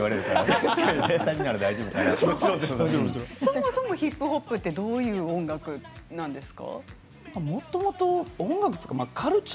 そもそもヒップホップってどういう音楽なんですか。